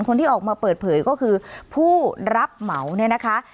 คนที่ออกมาเปิดเผยก็คือผู้รับเหมาเนี่ยนะคะ